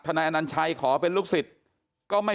เพราะทนายอันนันชายชายเดชาบอกว่าจะเป็นการเอาคืนยังไง